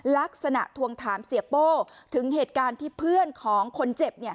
ลักษณะทวงถามเสียโป้ถึงเหตุการณ์ที่เพื่อนของคนเจ็บ